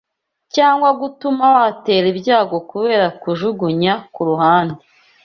cyangwa gutuma watera ibyago kubera kujugunya kurunde